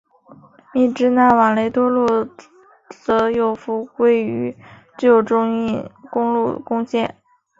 密支那往雷多路段则又复归与旧中印公路共线。